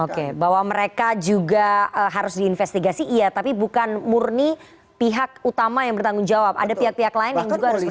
oke bahwa mereka juga harus diinvestigasi iya tapi bukan murni pihak utama yang bertanggung jawab ada pihak pihak lain yang juga harus